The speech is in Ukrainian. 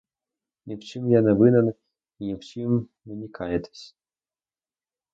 Ні в чім я не винен і ні в чім мені каятись.